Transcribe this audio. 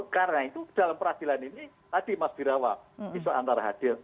karena itu dalam peradilan ini tadi mas dirawa bisa antar hadir